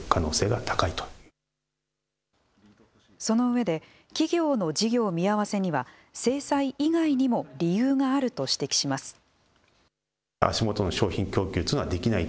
そのうえで企業の事業見合わせには制裁以外にも理由があると指摘します。